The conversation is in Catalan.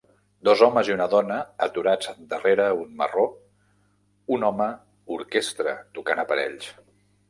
Dos homes i una dona aturats darrere un marró un home orquestra tocant aparells.